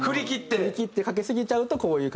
振り切ってかけすぎちゃうとこういう感じの。